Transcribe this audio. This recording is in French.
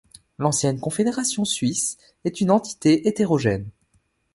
L'ancienne Confédération suisse est une entité hétérogène.